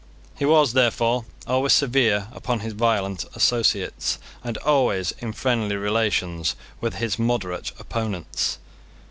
He was therefore always severe upon his violent associates, and was always in friendly relations with his moderate opponents.